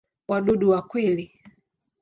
Wadudu wa kweli.